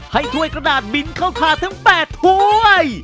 ถ้วยกระดาษบินเข้าขาทั้ง๘ถ้วย